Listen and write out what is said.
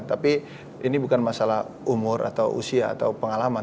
tapi ini bukan masalah umur atau usia atau pengalaman